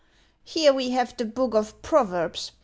here we have the Book of Proverbs.